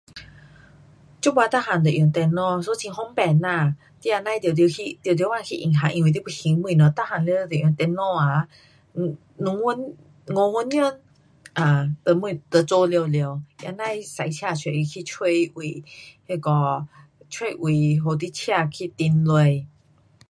这次什么都用电脑，so 很方便呐。你也甭特特地去银行因为你要还东西，全部寥寥用电脑 um 两分钟，五分钟 um 就东，就做好了。